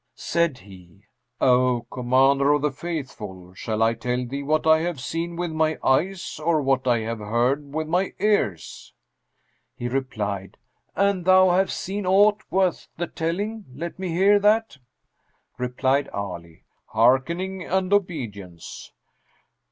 Said he, "O Commander of the Faithful, shall I tell thee what I have seen with my eyes or what I have heard with my ears?" He replied, "An thou have seen aught worth the telling, let me hear that." Replied Ali: "Hearkening and obedience.